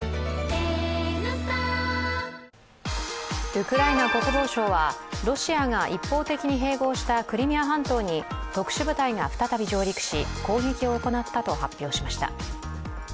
ウクライナ国防省はロシアが一方的に併合したクリミア半島に特殊部隊が再び上陸し攻撃を行ったと発表しました。